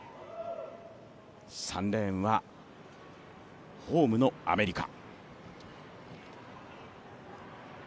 ３レーンは、ホームのアメリカ。